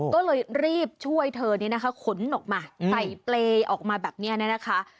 ก็เลยรีบช่วยเธอนี้นะคะขนออกมาใส่เปรย์ออกมาแบบนี้นะคะ